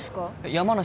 山梨？